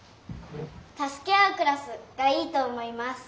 「助け合うクラス」がいいと思います。